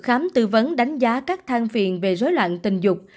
khám tư vấn đánh giá các than phiền về dối loạn tình dục